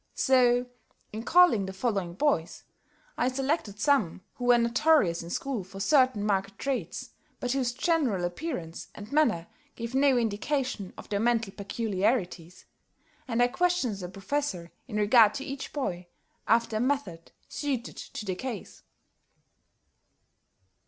So, in calling the following boys, I selected some who were notorious in school for certain marked traits, but whose general appearance and manner gave no indication of their mental peculiarities; and I questioned the Professor, in regard to each boy, after a method suited to the case.